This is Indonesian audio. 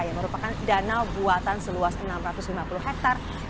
yang merupakan danau buatan seluas enam ratus lima puluh hektare